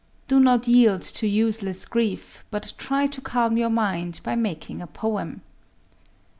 —do not yield to useless grief, but try to calm your mind by making a poem.